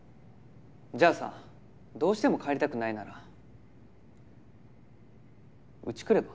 じゃあさどうしても帰りたくないならうち来れば？